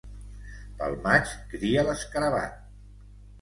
Pel maig cria l'escarabat.